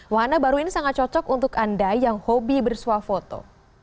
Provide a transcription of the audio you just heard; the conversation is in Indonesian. wahana baru ini sangat cocok untuk anda yang hobi bersuah foto